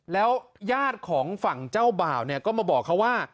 แล้วญาติของฝั่งเจ้าบ่าวเนี่ยก็มาบอกเขาว่า